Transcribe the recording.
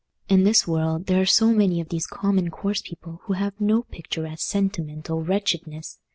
In this world there are so many of these common coarse people, who have no picturesque sentimental wretchedness!